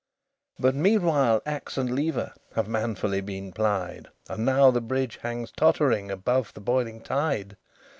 LIII But meanwhile axe and lever Have manfully been plied; And now the bridge hangs tottering Above the boiling tide.